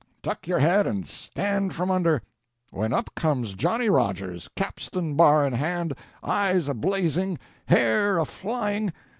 duck your head and stand from under! when up comes Johnny Rogers, capstan bar in hand, eyes a blazing, hair a flying...